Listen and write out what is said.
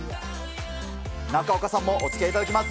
中岡さんもおつきあいいただきます。